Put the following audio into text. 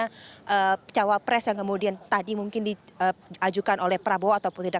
karena cawapres yang kemudian tadi mungkin diajukan oleh prabowo ataupun tidak